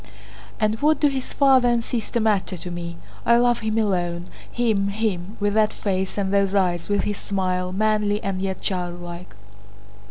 "And what do his father and sister matter to me? I love him alone, him, him, with that face and those eyes, with his smile, manly and yet childlike....